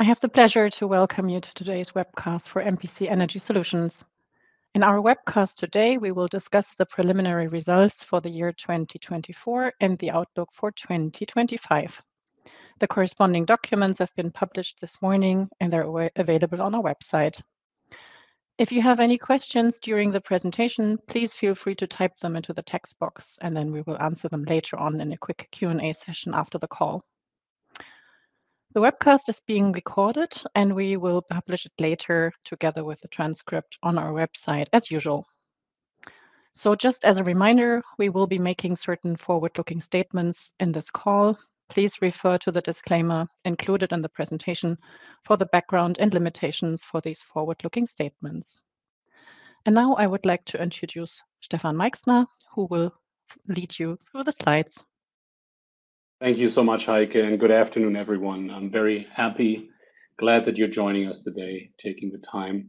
I have the pleasure to welcome you to today's webcast for MPC Energy Solutions. In our webcast today, we will discuss the preliminary results for the year 2024 and the outlook for 2025. The corresponding documents have been published this morning, and they're available on our website. If you have any questions during the presentation, please feel free to type them into the text box, and we will answer them later on in a quick Q&A session after the call. The webcast is being recorded, and we will publish it later together with the transcript on our website, as usual. Just as a reminder, we will be making certain forward-looking statements in this call. Please refer to the disclaimer included in the presentation for the background and limitations for these forward-looking statements. Now I would like to introduce Stefan Meichsner, who will lead you through the slides. Thank you so much, Heike, and good afternoon, everyone. I'm very happy, glad that you're joining us today, taking the time.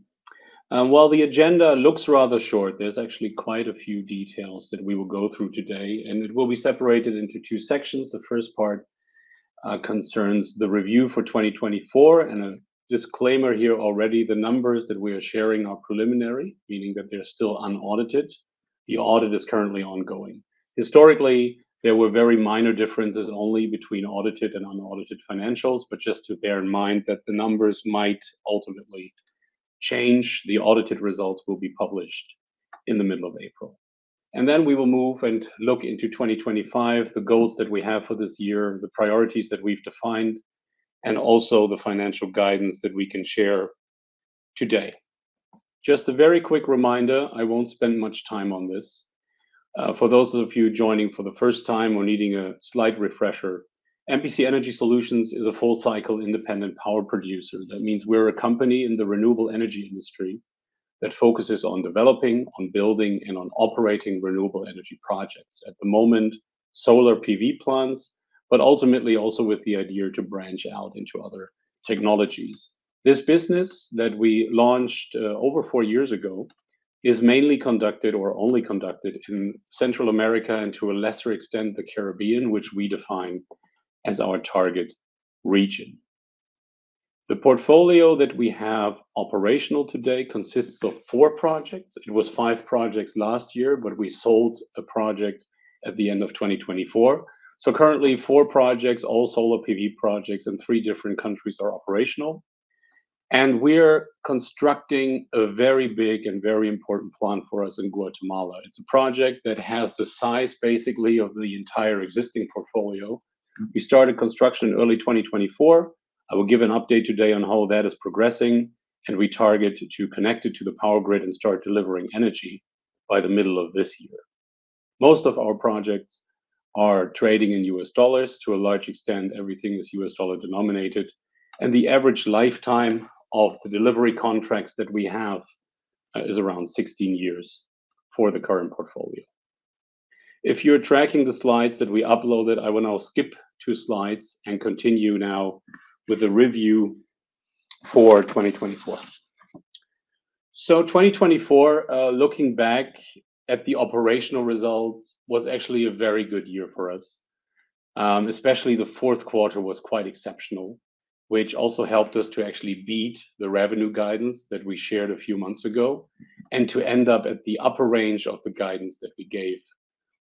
While the agenda looks rather short, there's actually quite a few details that we will go through today, and it will be separated into two sections. The first part concerns the review for 2024, and a disclaimer here already: the numbers that we are sharing are preliminary, meaning that they're still unaudited. The audit is currently ongoing. Historically, there were very minor differences only between audited and unaudited financials, but just to bear in mind that the numbers might ultimately change, the audited results will be published in the middle of April. We will move and look into 2025, the goals that we have for this year, the priorities that we've defined, and also the financial guidance that we can share today. Just a very quick reminder, I won't spend much time on this. For those of you joining for the first time or needing a slight refresher, MPC Energy Solutions is a full-cycle independent power producer. That means we're a company in the renewable energy industry that focuses on developing, on building, and on operating renewable energy projects. At the moment, solar PV plants, but ultimately also with the idea to branch out into other technologies. This business that we launched over four years ago is mainly conducted, or only conducted, in Central America and to a lesser extent the Caribbean, which we define as our target region. The portfolio that we have operational today consists of four projects. It was five projects last year, but we sold a project at the end of 2024. Currently, four projects, all solar PV projects in three different countries, are operational. We're constructing a very big and very important plant for us in Guatemala. It's a project that has the size, basically, of the entire existing portfolio. We started construction in early 2024. I will give an update today on how that is progressing, and we target to connect it to the power grid and start delivering energy by the middle of this year. Most of our projects are trading in US dollars. To a large extent, everything is US dollar denominated, and the average lifetime of the delivery contracts that we have is around 16 years for the current portfolio. If you're tracking the slides that we uploaded, I will now skip two slides and continue now with the review for 2024. Looking back at 2024, the operational results were actually very good for us, especially the fourth quarter was quite exceptional, which also helped us to actually beat the revenue guidance that we shared a few months ago and to end up at the upper range of the guidance that we gave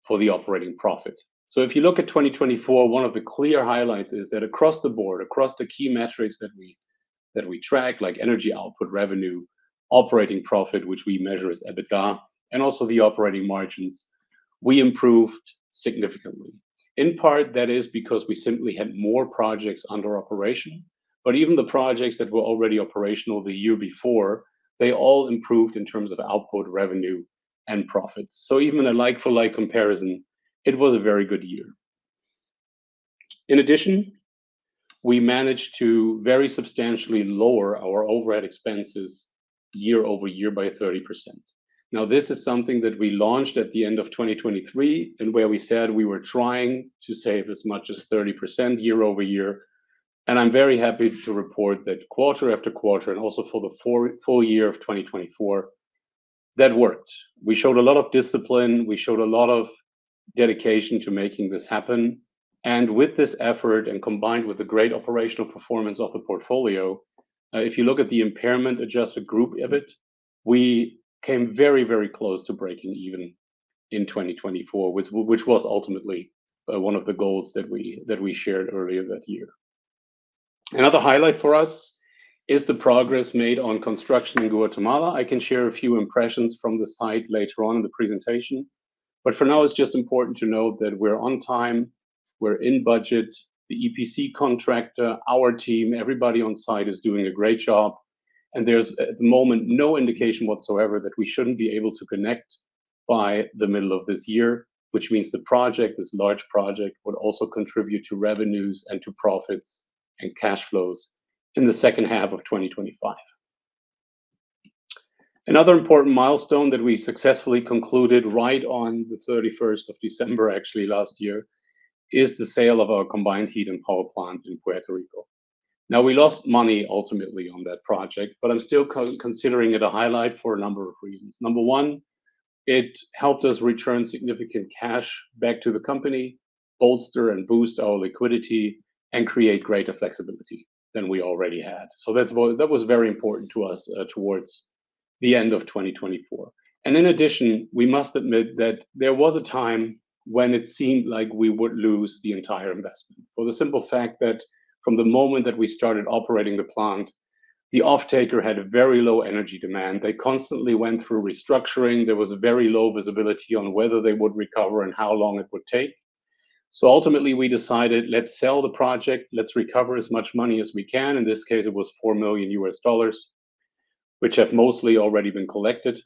for the operating profit. If you look at 2024, one of the clear highlights is that across the board, across the key metrics that we track, like energy output, revenue, operating profit, which we measure as EBITDA, and also the operating margins, we improved significantly. In part, that is because we simply had more projects under operation, but even the projects that were already operational the year before, they all improved in terms of output, revenue, and profits. Even a like-for-like comparison, it was a very good year. In addition, we managed to very substantially lower our overhead expenses year-over-year by 30%. Now, this is something that we launched at the end of 2023 and where we said we were trying to save as much as 30% year-over-year. I am very happy to report that quarter after quarter, and also for the full year of 2024, that worked. We showed a lot of discipline. We showed a lot of dedication to making this happen. With this effort, and combined with the great operational performance of the portfolio, if you look at the impairment-adjusted group EBIT, we came very, very close to breaking even in 2024, which was ultimately one of the goals that we shared earlier that year. Another highlight for us is the progress made on construction in Guatemala. I can share a few impressions from the site later on in the presentation, but for now, it's just important to note that we're on time, we're in budget, the EPC contractor, our team, everybody on site is doing a great job, and there's at the moment no indication whatsoever that we shouldn't be able to connect by the middle of this year, which means the project, this large project, would also contribute to revenues and to profits and cash flows in the second half of 2025. Another important milestone that we successfully concluded right on the 31st of December, actually last year, is the sale of our combined heat and power plant in Puerto Rico. Now, we lost money ultimately on that project, but I'm still considering it a highlight for a number of reasons. Number one, it helped us return significant cash back to the company, bolster and boost our liquidity, and create greater flexibility than we already had. That was very important to us towards the end of 2024. In addition, we must admit that there was a time when it seemed like we would lose the entire investment for the simple fact that from the moment that we started operating the plant, the off-taker had a very low energy demand. They constantly went through restructuring. There was very low visibility on whether they would recover and how long it would take. Ultimately, we decided, let's sell the project, let's recover as much money as we can. In this case, it was $4 million, which have mostly already been collected,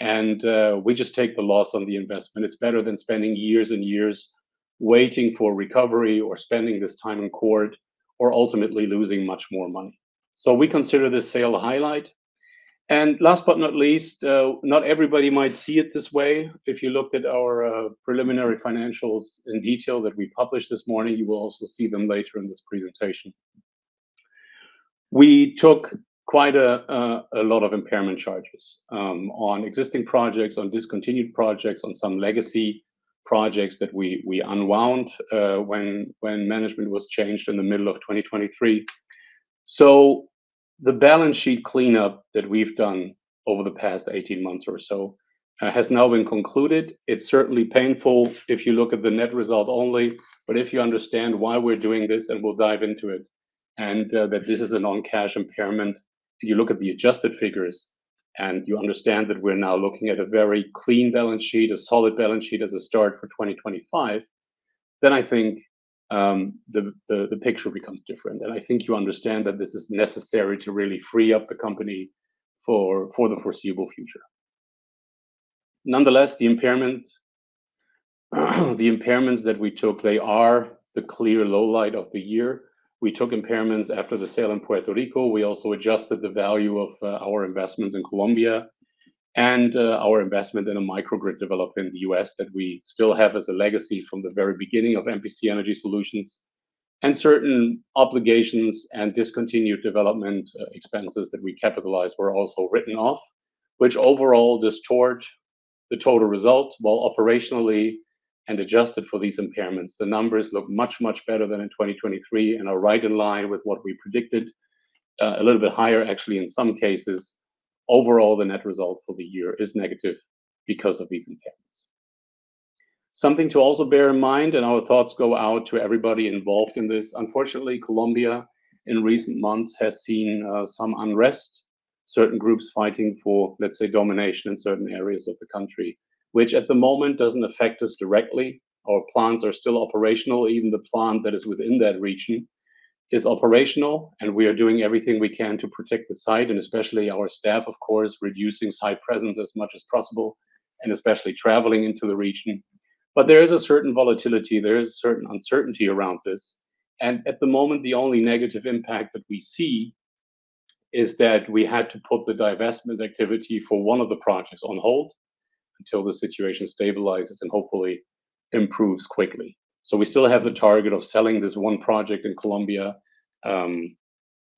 and we just take the loss on the investment. It's better than spending years and years waiting for recovery or spending this time in court or ultimately losing much more money. We consider this sale a highlight. Last but not least, not everybody might see it this way. If you looked at our preliminary financials in detail that we published this morning, you will also see them later in this presentation. We took quite a lot of impairment charges on existing projects, on discontinued projects, on some legacy projects that we unwound when management was changed in the middle of 2023. The balance sheet cleanup that we've done over the past 18 months or so has now been concluded. It's certainly painful if you look at the net result only, but if you understand why we're doing this, and we'll dive into it, and that this is a non-cash impairment, you look at the adjusted figures and you understand that we're now looking at a very clean balance sheet, a solid balance sheet as a start for 2025, then I think the picture becomes different. I think you understand that this is necessary to really free up the company for the foreseeable future. Nonetheless, the impairments that we took, they are the clear low light of the year. We took impairments after the sale in Puerto Rico. We also adjusted the value of our investments in Colombia and our investment in a microgrid developed in the US that we still have as a legacy from the very beginning of MPC Energy Solutions. Certain obligations and discontinued development expenses that we capitalized were also written off, which overall distort the total result. While operationally and adjusted for these impairments, the numbers look much, much better than in 2023 and are right in line with what we predicted. A little bit higher, actually, in some cases. Overall, the net result for the year is negative because of these impairments. Something to also bear in mind, and our thoughts go out to everybody involved in this. Unfortunately, Colombia in recent months has seen some unrest, certain groups fighting for, let's say, domination in certain areas of the country, which at the moment does not affect us directly. Our plants are still operational. Even the plant that is within that region is operational, and we are doing everything we can to protect the site and especially our staff, of course, reducing site presence as much as possible and especially traveling into the region. There is a certain volatility. There is a certain uncertainty around this. At the moment, the only negative impact that we see is that we had to put the divestment activity for one of the projects on hold until the situation stabilizes and hopefully improves quickly. We still have the target of selling this one project in Colombia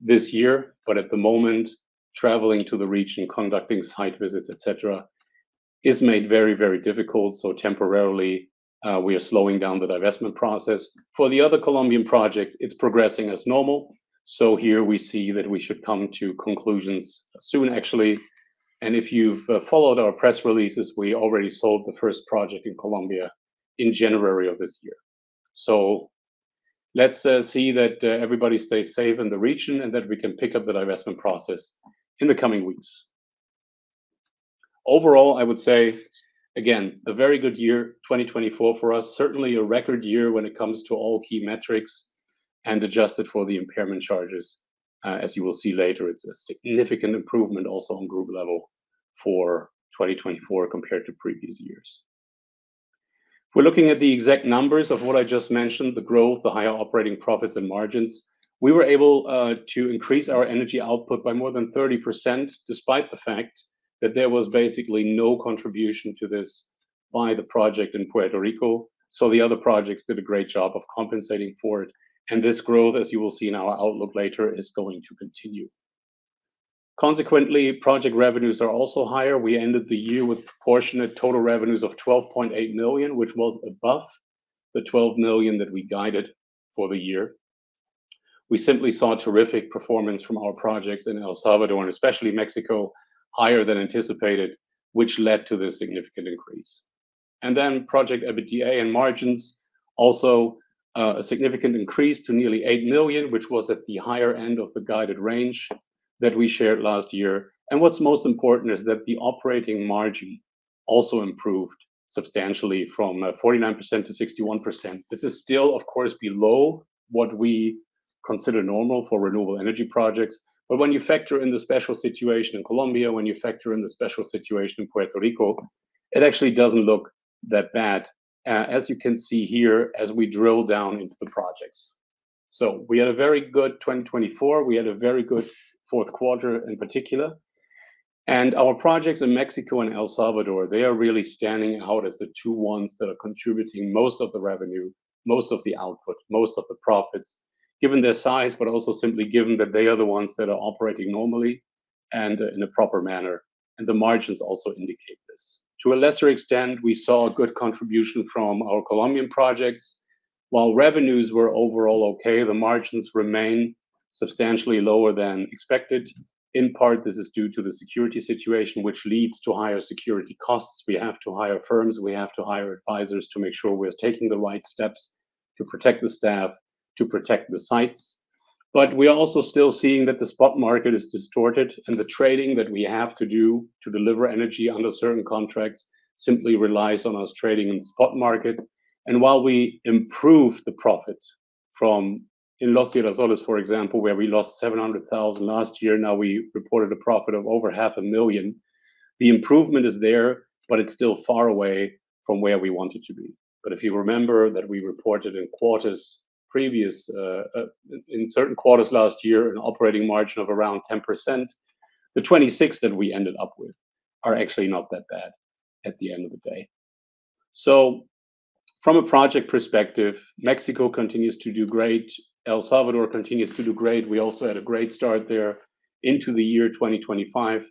this year, but at the moment, traveling to the region, conducting site visits, et cetera, is made very, very difficult. Temporarily, we are slowing down the divestment process. For the other Colombian project, it is progressing as normal. Here we see that we should come to conclusions soon, actually. If you've followed our press releases, we already sold the first project in Colombia in January of this year. Let's see that everybody stays safe in the region and that we can pick up the divestment process in the coming weeks. Overall, I would say, again, a very good year, 2024, for us, certainly a record year when it comes to all key metrics and adjusted for the impairment charges. As you will see later, it's a significant improvement also on group level for 2024 compared to previous years. We're looking at the exact numbers of what I just mentioned, the growth, the higher operating profits and margins. We were able to increase our energy output by more than 30% despite the fact that there was basically no contribution to this by the project in Puerto Rico. The other projects did a great job of compensating for it. This growth, as you will see in our outlook later, is going to continue. Consequently, project revenues are also higher. We ended the year with proportionate total revenues of $12.8 million, which was above the $12 million that we guided for the year. We simply saw terrific performance from our projects in El Salvador and especially Mexico, higher than anticipated, which led to this significant increase. Project EBITDA and margins, also a significant increase to nearly $8 million, which was at the higher end of the guided range that we shared last year. What's most important is that the operating margin also improved substantially from 49%-61%. This is still, of course, below what we consider normal for renewable energy projects. When you factor in the special situation in Colombia, when you factor in the special situation in Puerto Rico, it actually doesn't look that bad, as you can see here as we drill down into the projects. We had a very good 2024. We had a very good fourth quarter in particular. Our projects in Mexico and El Salvador, they are really standing out as the two ones that are contributing most of the revenue, most of the output, most of the profits, given their size, but also simply given that they are the ones that are operating normally and in a proper manner. The margins also indicate this. To a lesser extent, we saw a good contribution from our Colombian projects. While revenues were overall okay, the margins remain substantially lower than expected. In part, this is due to the security situation, which leads to higher security costs. We have to hire firms. We have to hire advisors to make sure we're taking the right steps to protect the staff, to protect the sites. We are also still seeing that the spot market is distorted and the trading that we have to do to deliver energy under certain contracts simply relies on us trading in the spot market. While we improved the profit from in Los Girasoles, for example, where we lost $700,000 last year, now we reported a profit of over $500,000. The improvement is there, but it's still far away from where we wanted to be. If you remember that we reported in quarters previous, in certain quarters last year, an operating margin of around 10%, the 26% that we ended up with are actually not that bad at the end of the day. From a project perspective, Mexico continues to do great. El Salvador continues to do great. We also had a great start there into the year 2025.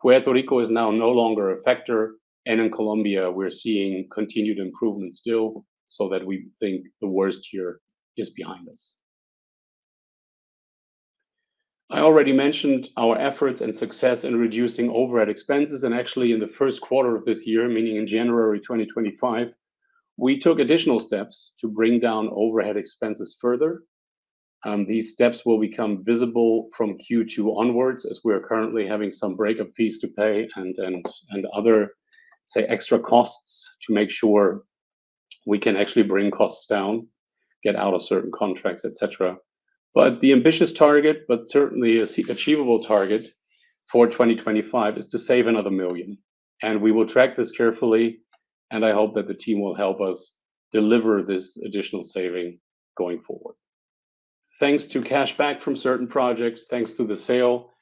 Puerto Rico is now no longer a factor. In Colombia, we are seeing continued improvement still so that we think the worst year is behind us. I already mentioned our efforts and success in reducing overhead expenses. Actually, in the first quarter of this year, meaning in January 2025, we took additional steps to bring down overhead expenses further. These steps will become visible from Q2 onwards as we are currently having some breakup fees to pay and other, say, extra costs to make sure we can actually bring costs down, get out of certain contracts, et cetera. The ambitious target, but certainly achievable target for 2025 is to save another $1 million. We will track this carefully. I hope that the team will help us deliver this additional saving going forward. Thanks to cash back from certain projects, thanks to the sale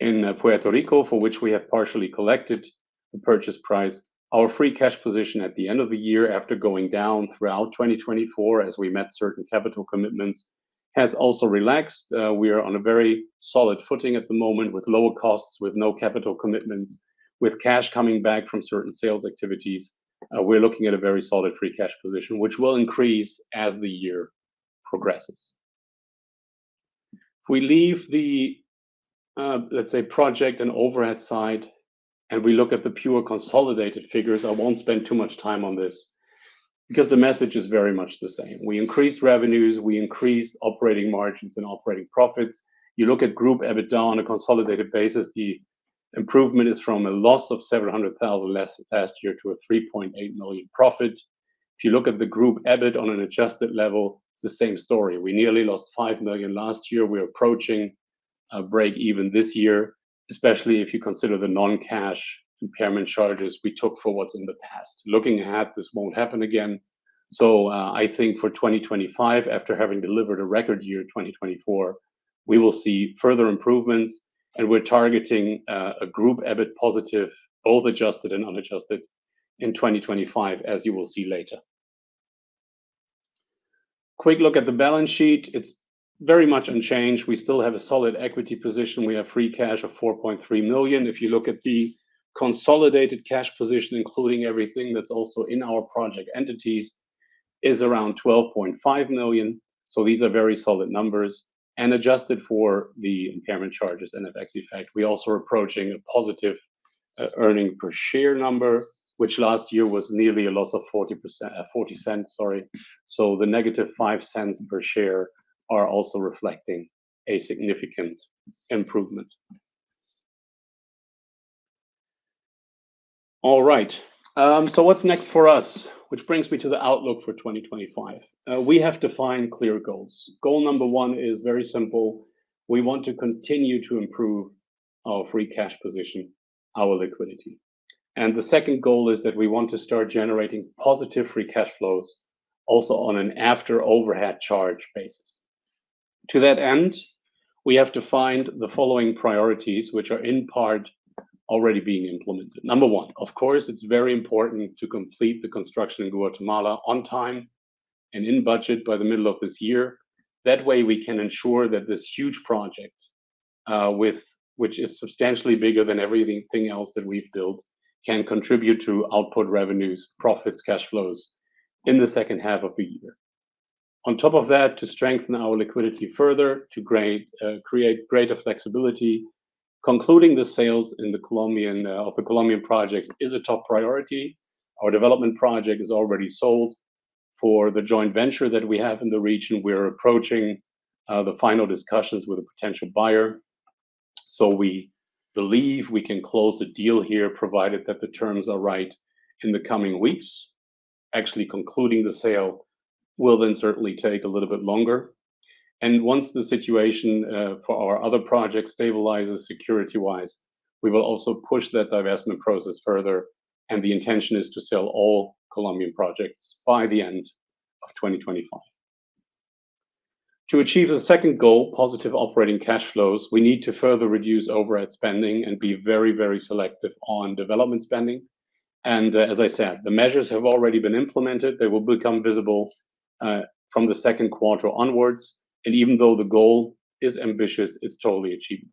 in Puerto Rico for which we have partially collected the purchase price, our free cash position at the end of the year after going down throughout 2024 as we met certain capital commitments has also relaxed. We are on a very solid footing at the moment with lower costs, with no capital commitments, with cash coming back from certain sales activities. We're looking at a very solid free cash position, which will increase as the year progresses. If we leave the, let's say, project and overhead side and we look at the pure consolidated figures, I won't spend too much time on this because the message is very much the same. We increased revenues, we increased operating margins and operating profits. You look at group EBITDA on a consolidated basis, the improvement is from a loss of $700,000 last year to a $3.8 million profit. If you look at the group EBIT on an adjusted level, it's the same story. We nearly lost $5 million last year. We're approaching a break even this year, especially if you consider the non-cash impairment charges we took for what's in the past. Looking ahead, this won't happen again. I think for 2025, after having delivered a record year in 2024, we will see further improvements. We're targeting a group EBIT positive, both adjusted and unadjusted in 2025, as you will see later. Quick look at the balance sheet. It's very much unchanged. We still have a solid equity position. We have free cash of $4.3 million. If you look at the consolidated cash position, including everything that's also in our project entities, it is around $12.5 million. These are very solid numbers and adjusted for the impairment charges and effective fact. We're also approaching a positive earnings per share number, which last year was nearly a loss of $0.40, sorry. The negative $0.05 per share are also reflecting a significant improvement. All right. What's next for us, which brings me to the outlook for 2025? We have to define clear goals. Goal number one is very simple. We want to continue to improve our free cash position, our liquidity. The second goal is that we want to start generating positive free cash flows also on an after overhead charge basis. To that end, we have to find the following priorities, which are in part already being implemented. Number one, of course, it's very important to complete the construction in Guatemala on time and in budget by the middle of this year. That way, we can ensure that this huge project, which is substantially bigger than everything else that we've built, can contribute to output revenues, profits, cash flows in the second half of the year. On top of that, to strengthen our liquidity further, to create greater flexibility, concluding the sales of the Colombian projects is a top priority. Our development project is already sold for the joint venture that we have in the region. We're approaching the final discussions with a potential buyer. We believe we can close the deal here provided that the terms are right in the coming weeks. Actually, concluding the sale will then certainly take a little bit longer. Once the situation for our other projects stabilizes security-wise, we will also push that divestment process further. The intention is to sell all Colombian projects by the end of 2025. To achieve the second goal, positive operating cash flows, we need to further reduce overhead spending and be very, very selective on development spending. As I said, the measures have already been implemented. They will become visible from the second quarter onwards. Even though the goal is ambitious, it's totally achievable.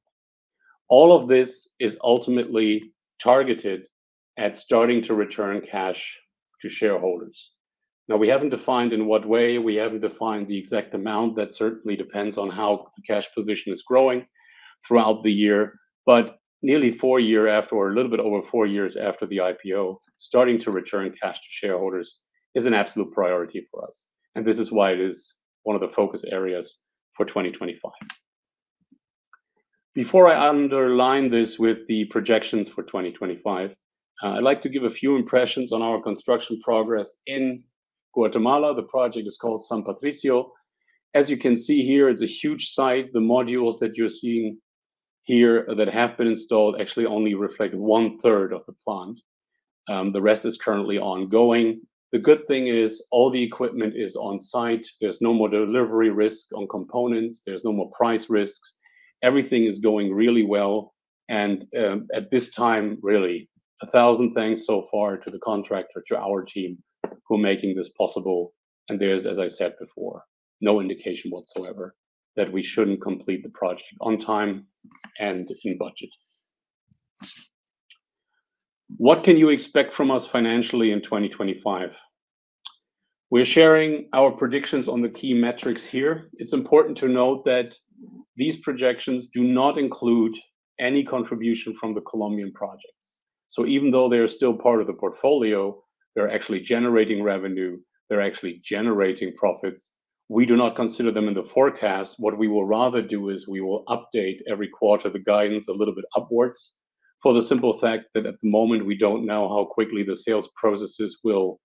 All of this is ultimately targeted at starting to return cash to shareholders. Now, we have not defined in what way. We have not defined the exact amount. That certainly depends on how the cash position is growing throughout the year. Nearly four years after, or a little bit over four years after the IPO, starting to return cash to shareholders is an absolute priority for us. This is why it is one of the focus areas for 2025. Before I underline this with the projections for 2025, I would like to give a few impressions on our construction progress in Guatemala. The project is called San Patricio. As you can see here, it is a huge site. The modules that you are seeing here that have been installed actually only reflect one-third of the plant. The rest is currently ongoing. The good thing is all the equipment is on site is no more delivery risk on components. There is no more price risks. Everything is going really well. At this time, really, a thousand thanks so far to the contractor, to our team who are making this possible. There is, as I said before, no indication whatsoever that we should not complete the project on time and in budget. What can you expect from us financially in 2025? We are sharing our predictions on the key metrics here. It is important to note that these projections do not include any contribution from the Colombian projects. Even though they are still part of the portfolio, they are actually generating revenue. They are actually generating profits. We do not consider them in the forecast. What we will rather do is we will update every quarter the guidance a little bit upwards for the simple fact that at the moment, we do not know how quickly the sales processes will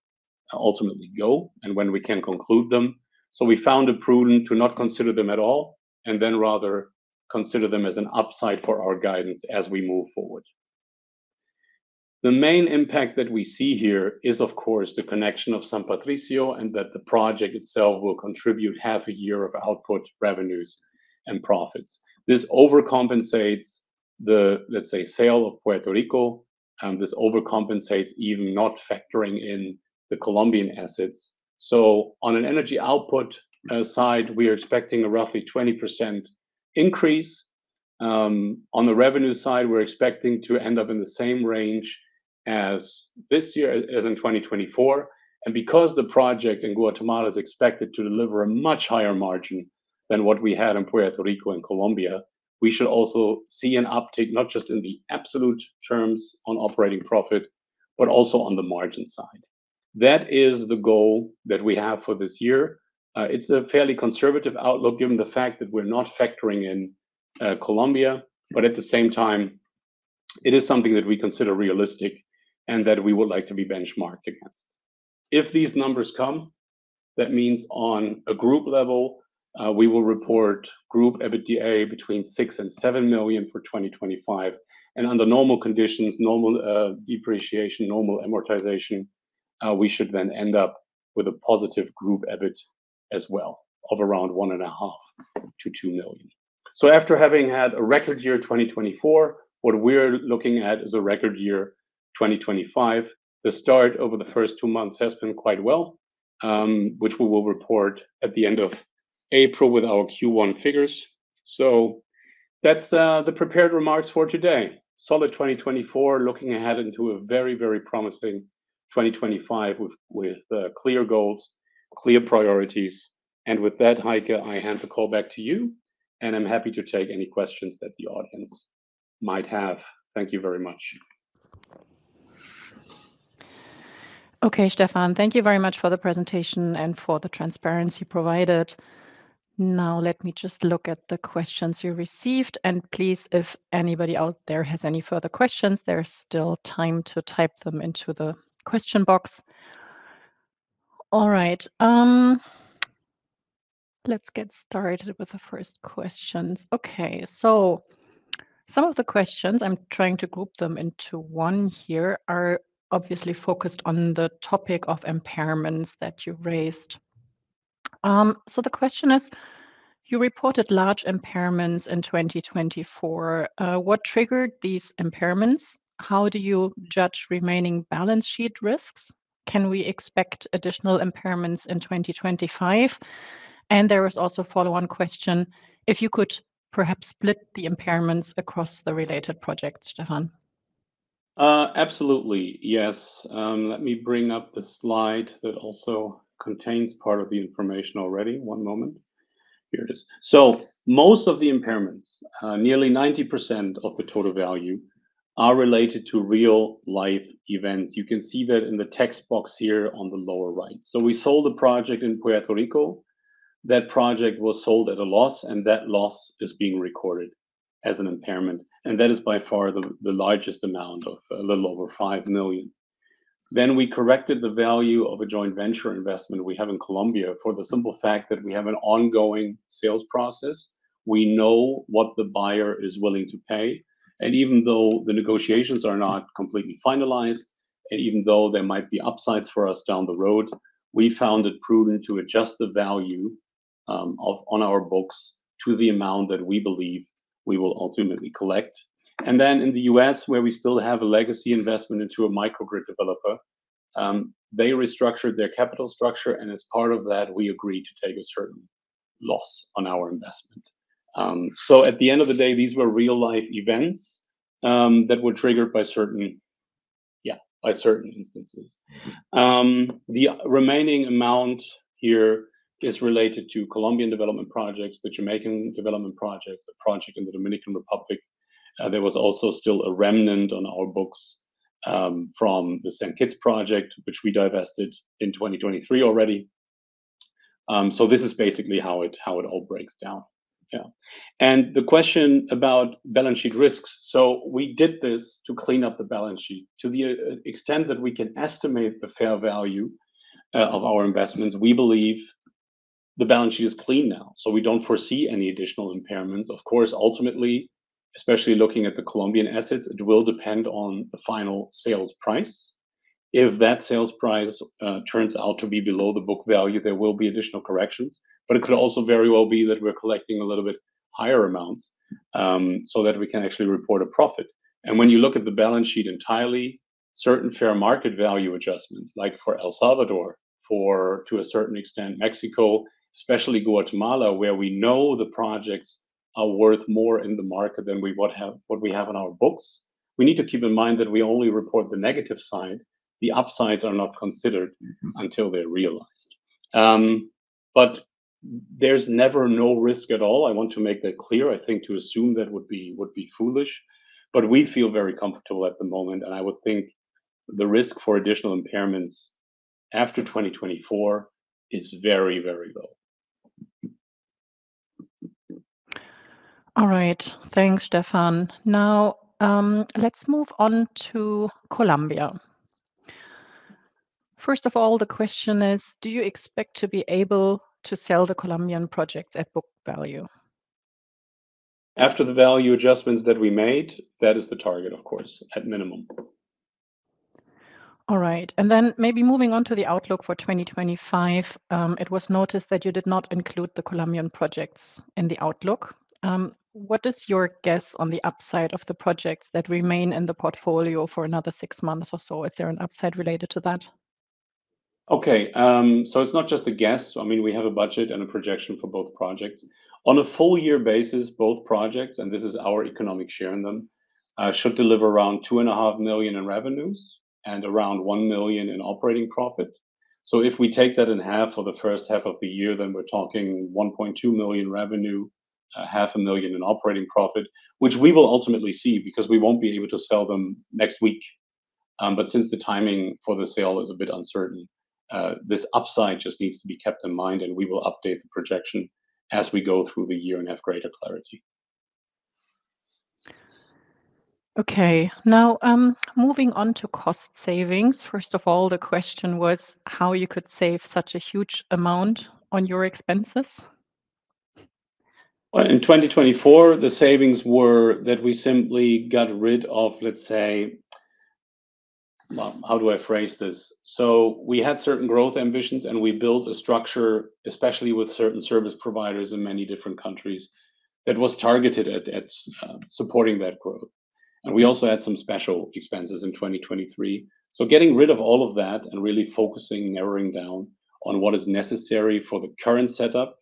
ultimately go and when we can conclude them. We found it prudent to not consider them at all and then rather consider them as an upside for our guidance as we move forward. The main impact that we see here is, of course, the connection of San Patricio and that the project itself will contribute half a year of output revenues and profits. This overcompensates the, let's say, sale of Puerto Rico. This overcompensates even not factoring in the Colombian assets. On an energy output side, we are expecting a roughly 20% increase. On the revenue side, we are expecting to end up in the same range as this year, as in 2024. Because the project in Guatemala is expected to deliver a much higher margin than what we had in Puerto Rico and Colombia, we should also see an uptick not just in the absolute terms on operating profit, but also on the margin side. That is the goal that we have for this year. It's a fairly conservative outlook given the fact that we're not factoring in Colombia, but at the same time, it is something that we consider realistic and that we would like to be benchmarked against. If these numbers come, that means on a group level, we will report group EBITDA between $6 million and $7 million for 2025. Under normal conditions, normal depreciation, normal amortization, we should then end up with a positive group EBIT as well of around $1.5 million-$2 million. After having had a record year 2024, what we're looking at is a record year 2025. The start over the first two months has been quite well, which we will report at the end of April with our Q1 figures. That's the prepared remarks for today. Solid 2024, looking ahead into a very, very promising 2025 with clear goals, clear priorities. With that, Heike, I hand the call back to you. I'm happy to take any questions that the audience might have. Thank you very much. Okay, Stefan, thank you very much for the presentation and for the transparency provided. Now, let me just look at the questions you received. Please, if anybody out there has any further questions, there's still time to type them into the question box. All right. Let's get started with the first questions. Okay, some of the questions I'm trying to group them into one here are obviously focused on the topic of impairments that you raised. The question is, you reported large impairments in 2024. What triggered these impairments? How do you judge remaining balance sheet risks? Can we expect additional impairments in 2025? There was also a follow-on question, if you could perhaps split the impairments across the related projects, Stefan. Absolutely. Yes. Let me bring up the slide that also contains part of the information already. One moment. Here it is. Most of the impairments, nearly 90% of the total value, are related to real-life events. You can see that in the text box here on the lower right. We sold the project in Puerto Rico. That project was sold at a loss, and that loss is being recorded as an impairment. That is by far the largest amount of a little over $5 million. We corrected the value of a joint venture investment we have in Colombia for the simple fact that we have an ongoing sales process. We know what the buyer is willing to pay. Even though the negotiations are not completely finalized, and even though there might be upsides for us down the road, we found it prudent to adjust the value on our books to the amount that we believe we will ultimately collect. In the U.S., where we still have a legacy investment into a microgrid developer, they restructured their capital structure. As part of that, we agreed to take a certain loss on our investment. At the end of the day, these were real-life events that were triggered by certain, yeah, by certain instances. The remaining amount here is related to Colombian development projects, the Jamaican development projects, a project in the Dominican Republic. There was also still a remnant on our books from the St. Kitts project, which we divested in 2023 already. This is basically how it all breaks down. Yeah. The question about balance sheet risks. We did this to clean up the balance sheet. To the extent that we can estimate the fair value of our investments, we believe the balance sheet is clean now. We do not foresee any additional impairments. Of course, ultimately, especially looking at the Colombian assets, it will depend on the final sales price. If that sales price turns out to be below the book value, there will be additional corrections. It could also very well be that we're collecting a little bit higher amounts so that we can actually report a profit. When you look at the balance sheet entirely, certain fair market value adjustments, like for El Salvador, for to a certain extent, Mexico, especially Guatemala, where we know the projects are worth more in the market than what we have on our books, we need to keep in mind that we only report the negative side. The upsides are not considered until they're realized. There is never no risk at all. I want to make that clear. I think to assume that would be foolish. We feel very comfortable at the moment. I would think the risk for additional impairments after 2024 is very, very low. All right. Thanks, Stefan. Now, let's move on to Colombia. First of all, the question is, do you expect to be able to sell the Colombian projects at book value? After the value adjustments that we made, that is the target, of course, at minimum. All right. Maybe moving on to the outlook for 2025, it was noticed that you did not include the Colombian projects in the outlook. What is your guess on the upside of the projects that remain in the portfolio for another six months or so? Is there an upside related to that? Okay. It is not just a guess. I mean, we have a budget and a projection for both projects. On a full-year basis, both projects, and this is our economic share in them, should deliver around $2.5 million in revenues and around $1 million in operating profit. If we take that in half for the first half of the year, then we're talking $1.2 million revenue, $500,000 in operating profit, which we will ultimately see because we won't be able to sell them next week. Since the timing for the sale is a bit uncertain, this upside just needs to be kept in mind. We will update the projection as we go through the year and have greater clarity. Okay. Now, moving on to cost savings. First of all, the question was how you could save such a huge amount on your expenses. In 2024, the savings were that we simply got rid of, let's say, how do I phrase this? We had certain growth ambitions, and we built a structure, especially with certain service providers in many different countries, that was targeted at supporting that growth. We also had some special expenses in 2023. Getting rid of all of that and really focusing and narrowing down on what is necessary for the current setup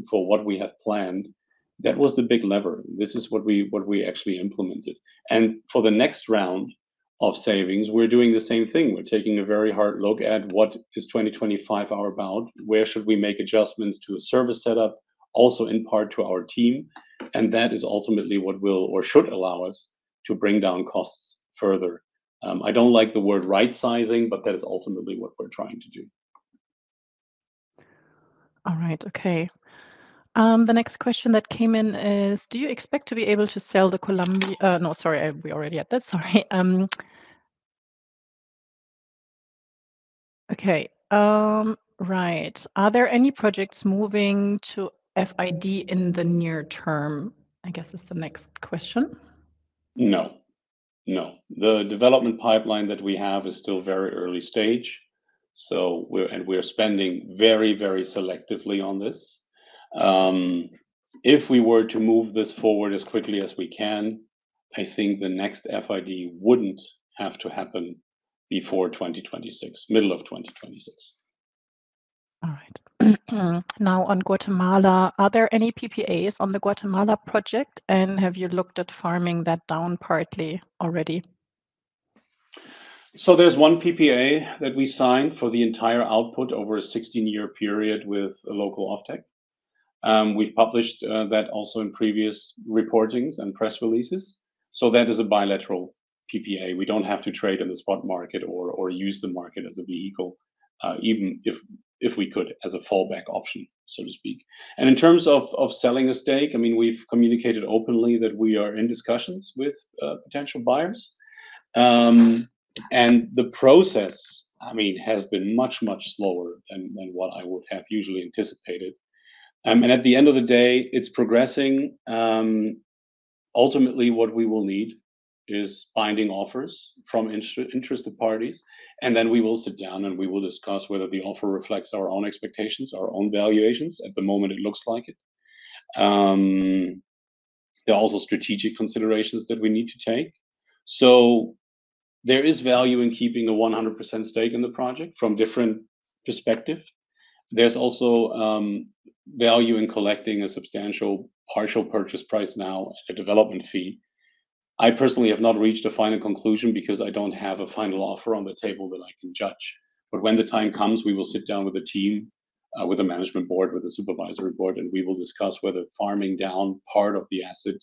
and for what we have planned, that was the big lever. This is what we actually implemented. For the next round of savings, we're doing the same thing. We're taking a very hard look at what is 2025 our bound. Where should we make adjustments to a service setup, also in part to our team? That is ultimately what will or should allow us to bring down costs further. I do not like the word right-sizing, but that is ultimately what we're trying to do. All right. Okay. The next question that came in is, do you expect to be able to sell the Colombia? No, sorry, we already had that. Sorry. Okay. Right. Are there any projects moving to FID in the near term? I guess it's the next question. No. No. The development pipeline that we have is still very early stage. We're spending very, very selectively on this. If we were to move this forward as quickly as we can, I think the next FID wouldn't have to happen before 2026, middle of 2026. All right. Now, on Guatemala, are there any PPAs on the Guatemala project? Have you looked at farming that down partly already? There's one PPA that we signed for the entire output over a 16-year period with a local off-taker. We've published that also in previous reportings and press releases. That is a bilateral PPA. We don't have to trade in the spot market or use the market as a vehicle, even if we could, as a fallback option, so to speak. In terms of selling a stake, I mean, we've communicated openly that we are in discussions with potential buyers. The process, I mean, has been much, much slower than what I would have usually anticipated. At the end of the day, it's progressing. Ultimately, what we will need is binding offers from interested parties. We will sit down and we will discuss whether the offer reflects our own expectations, our own valuations. At the moment, it looks like it. There are also strategic considerations that we need to take. There is value in keeping a 100% stake in the project from different perspectives. There's also value in collecting a substantial partial purchase price now, a development fee. I personally have not reached a final conclusion because I don't have a final offer on the table that I can judge. When the time comes, we will sit down with a team, with a management board, with a supervisory board, and we will discuss whether farming down part of the asset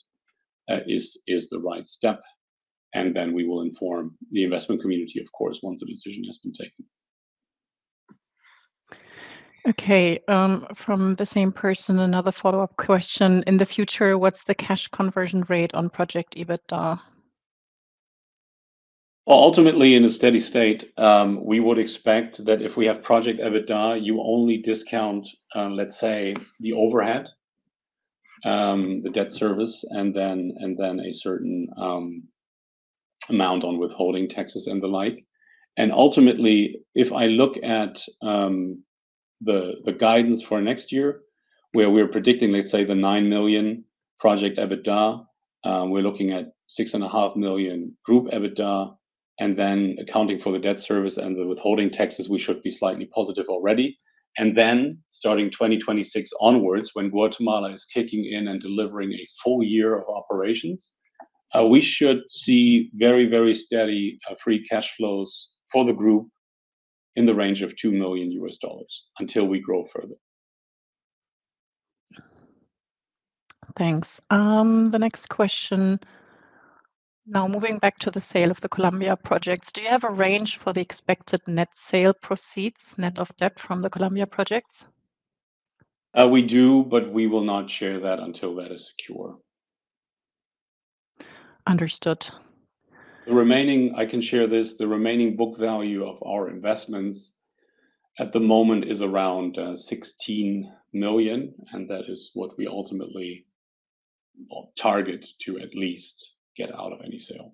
is the right step. We will inform the investment community, of course, once the decision has been taken. Okay. From the same person, another follow-up question. In the future, what's the cash conversion rate on project EBITDA? Ultimately, in a steady state, we would expect that if we have project EBITDA, you only discount, let's say, the overhead, the debt service, and then a certain amount on withholding taxes and the like. Ultimately, if I look at the guidance for next year, where we're predicting, let's say, the $9 million project EBITDA, we're looking at $6.5 million group EBITDA. Then accounting for the debt service and the withholding taxes, we should be slightly positive already. Starting 2026 onwards, when Guatemala is kicking in and delivering a full year of operations, we should see very, very steady free cash flows for the group in the range of $2 million until we grow further. Thanks. The next question. Now, moving back to the sale of the Colombia projects, do you have a range for the expected net sale proceeds, net of debt from the Colombia projects? We do, but we will not share that until that is secure. Understood. The remaining, I can share this. The remaining book value of our investments at the moment is around $16 million. That is what we ultimately target to at least get out of any sale.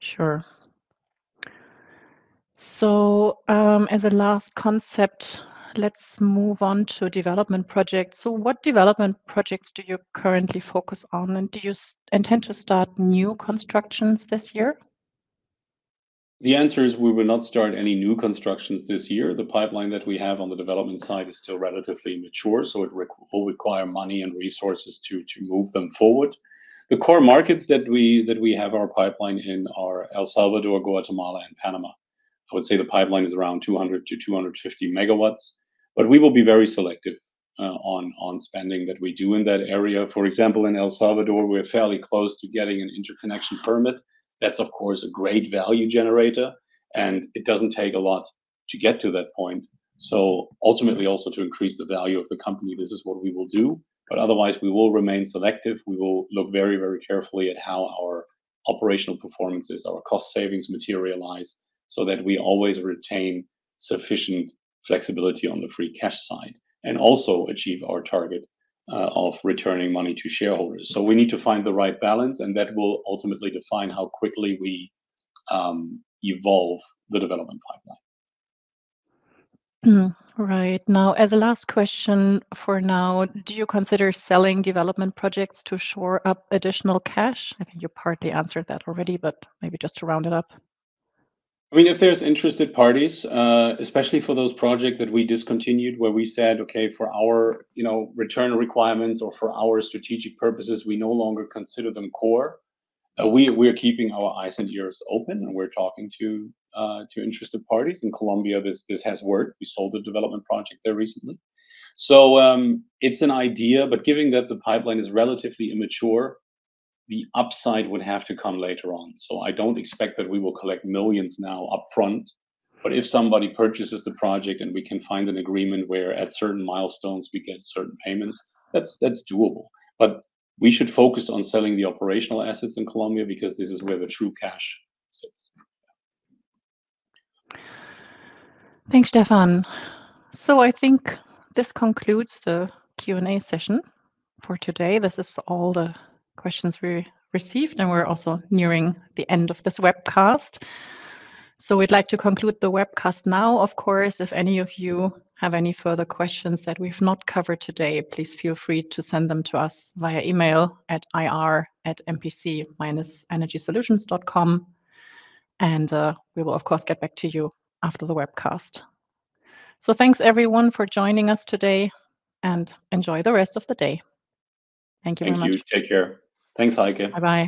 Sure. As a last concept, let's move on to development projects. What development projects do you currently focus on? And do you intend to start new constructions this year? The answer is we will not start any new constructions this year. The pipeline that we have on the development side is still relatively mature. It will require money and resources to move them forward. The core markets that we have our pipeline in are El Salvador, Guatemala, and Panama. I would say the pipeline is around 200-250 MW. We will be very selective on spending that we do in that area. For example, in El Salvador, we're fairly close to getting an interconnection permit. That's, of course, a great value generator. It does not take a lot to get to that point. Ultimately, also to increase the value of the company, this is what we will do. Otherwise, we will remain selective. We will look very, very carefully at how our operational performances, our cost savings materialize so that we always retain sufficient flexibility on the free cash side and also achieve our target of returning money to shareholders. We need to find the right balance. That will ultimately define how quickly we evolve the development pipeline. Right. Now, as a last question for now, do you consider selling development projects to shore up additional cash? I think you partly answered that already, but maybe just to round it up. I mean, if there's interested parties, especially for those projects that we discontinued where we said, okay, for our return requirements or for our strategic purposes, we no longer consider them core, we are keeping our eyes and ears open. We're talking to interested parties. In Colombia, this has worked. We sold a development project there recently. It's an idea. Given that the pipeline is relatively immature, the upside would have to come later on. I don't expect that we will collect millions now upfront. If somebody purchases the project and we can find an agreement where at certain milestones we get certain payments, that's doable. We should focus on selling the operational assets in Colombia because this is where the true cash sits. Thanks, Stefan. I think this concludes the Q&A session for today. This is all the questions we received. We're also nearing the end of this webcast. We'd like to conclude the webcast now, of course. If any of you have any further questions that we've not covered today, please feel free to send them to us via email at ir@mpc-energysolutions.com. We will, of course, get back to you after the webcast. Thanks, everyone, for joining us today. Enjoy the rest of the day. Thank you very much. Thank you. Take care. Thanks, Heike. Bye-bye.